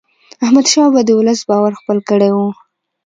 احمدشاه بابا د ولس باور خپل کړی و.